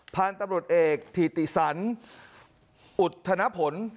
พาลตำรวจเอกธีติสันอุทธนผล